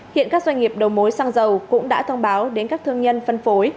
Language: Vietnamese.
hiện các doanh nghiệp đầu mối xăng dầu cũng đã thông báo đến các thương nhân phân phối